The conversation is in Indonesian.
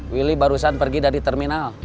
willy barusan pergi dari terminal